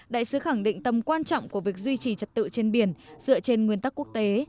đại sứ khẳng định tầm quan trọng của việc duy trì trật tự trên biển dựa trên nguyên tắc quốc tế